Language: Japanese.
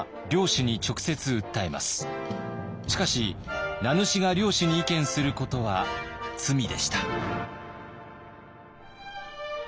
しかし名主が領主に意見することは「罪」でした。